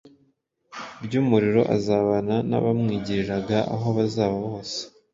ry’umuriro azabana n’abamwiringira aho bazaba hose.